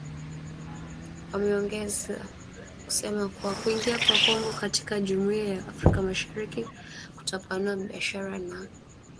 Wameongeza kusema kuwa kuingia kwa Kongo katika Jumuiya ya Afrika Mashariki kutapanua biashara na ushirikiano wa kieneo.